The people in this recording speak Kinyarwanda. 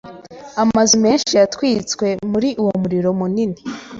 Amazu menshi yatwitse muri uwo muriro munini.